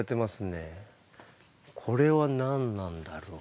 これは何なんだろう？